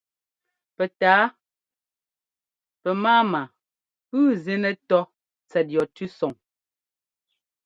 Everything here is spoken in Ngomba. Pɛtǎa pɛmáama pʉ́ʉ zínɛ́ tɔ́ tsɛt yɔ tʉ́sɔŋ.